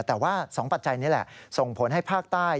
แต่ว่า๒ปัจจัยนี้แหละส่งผลให้ภาคใต้